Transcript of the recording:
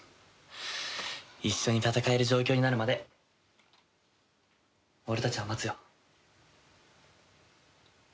一緒に戦える状況になるまで俺たちは待つよ。